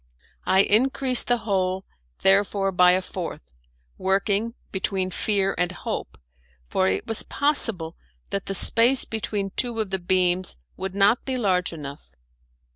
I increased the hole, therefore, by a fourth, working between fear and hope, for it was possible that the space between two of the beams would not be large enough.